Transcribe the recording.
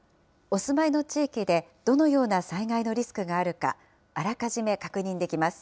お住まいの地域でどのような災害のリスクがあるか、あらかじめ確認できます。